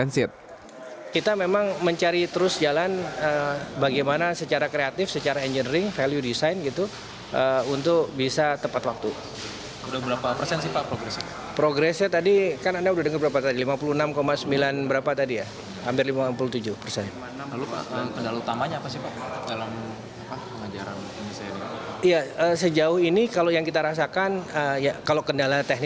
satya mengatakan tes ekstensif lrt akan dipercepat di korea selatan